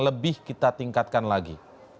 lebih kita tingkatkan lagi